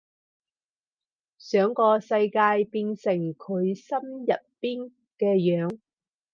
想個世界變成佢心入邊嘅樣